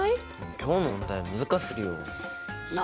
うん今日の問題難しすぎるよ。